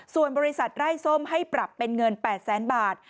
ส่วนบริษัทไร้ส้มให้ปรับเป็นเงิน๘แสนบาท